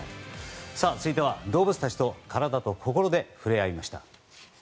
続いては、動物たちと体と心で触れ合いました。